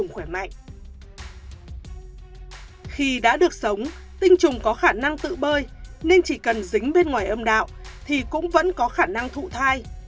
khi đã được sống tinh trùng có khả năng tự bơi nên chỉ cần dính bên ngoài âm đạo thì cũng vẫn có khả năng thụ thai